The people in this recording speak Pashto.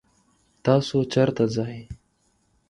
تاسو چرته ځئ؟